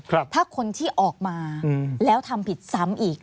ถ้าคนที่ออกมาแล้วทำผิดซ้ำอีก